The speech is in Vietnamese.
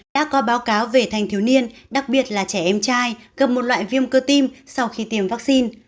đã có báo cáo về thanh thiếu niên đặc biệt là trẻ em trai gặp một loại viêm cơ tim sau khi tiêm vaccine